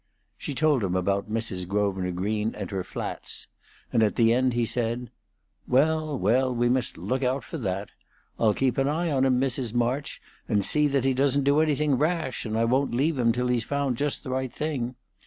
She told him about Mrs. Grosvenor Green and her flats, and at the end he said: "Well, well, we must look out for that. I'll keep an eye on him, Mrs. March, and see that he doesn't do anything rash, and I won't leave him till he's found just the right thing.